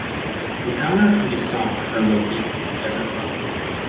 Bikaner and Jaisalmer are located in the desert proper.